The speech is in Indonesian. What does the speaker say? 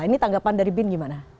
ini tanggapan dari bin gimana